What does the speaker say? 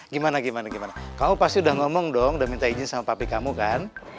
gimana gimana gimana kamu pasti udah ngomong dong udah minta izin sama pabrik kamu kan